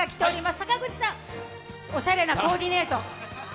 おしゃれなコーディネート。